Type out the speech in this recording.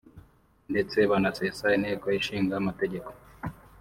ndetse banasesa Inteko Ishinga Amategeko